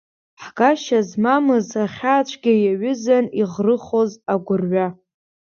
Ҳгашьа змамыз ахьаа цәгьа иаҩызан иӷрыхоз агәырҩа.